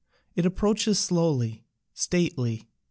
It approaches slowly, stately.